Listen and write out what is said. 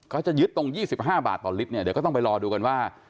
เขาจะยึดตรง๒๕บาทต่อลิตรเนี่ยเดี๋ยวก็ต้องไปรอดูกันว่า